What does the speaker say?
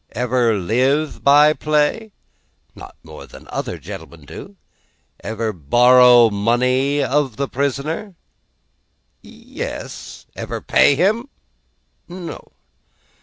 Ever live by play? Not more than other gentlemen do. Ever borrow money of the prisoner? Yes. Ever pay him? No.